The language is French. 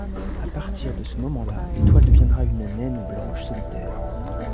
À partir de ce moment-là, l'étoile deviendra une naine blanche solitaire.